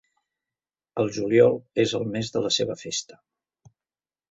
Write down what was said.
El juliol és el mes de la seva festa.